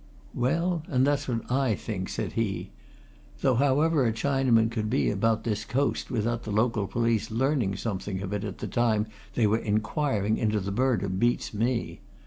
"Well, and that's what I think," said he. "Though however a Chinaman could be about this coast without the local police learning something of it at the time they were inquiring into the murder beats me.